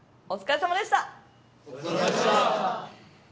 お疲れさまです。